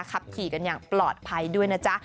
ขับขี่กันอย่างปลอดภัยด้วยนะจ๊ะ